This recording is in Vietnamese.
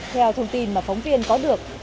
theo thông tin mà phóng viên có được